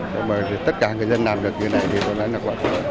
nhưng mà tất cả người dân làm được như thế này thì gọn nhẹ hơn